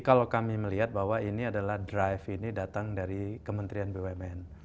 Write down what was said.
kemudian kita lihat bahwa ini adalah drive ini datang dari kementerian bumn